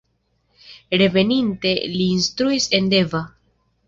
Reveninte li instruis en Deva.